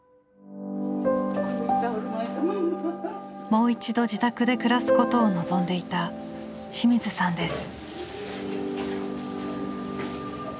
もう一度自宅で暮らすことを望んでいた清水さんです。